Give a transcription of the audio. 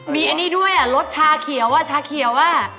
มีอันนี้ด้วยรสชาเขียวชาเขียว